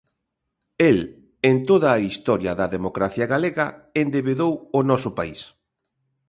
El, en toda a historia da democracia galega, endebedou o noso país.